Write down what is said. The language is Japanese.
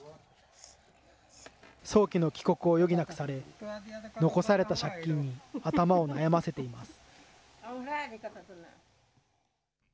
早期の帰国を余儀なくされ、残された借金に頭を悩ませています。